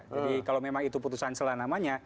jadi kalau memang itu putusan selah namanya